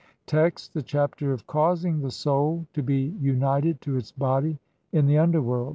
149 Text : (1) The Chapter of causing the soul to be UNITED TO ITS BODY IN THE UNDERWORLD.